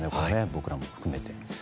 僕らも含めて。